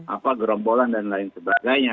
apa gerombolan dan lain sebagainya